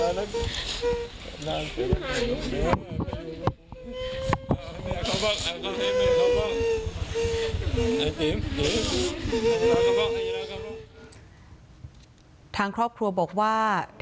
แอมขึ้นเครงนะลูก